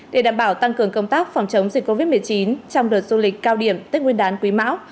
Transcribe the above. để đảm bảo tăng cường công tác phòng chống dịch covid một mươi chín trong đợt du lịch cao điểm tết nguyên đán quý mão